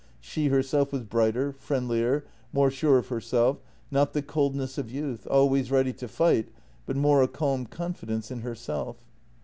She herself was brighter, friendlier, more sure of herself, not the coldness of youth, always ready to fight, but more a calm confidence in herself.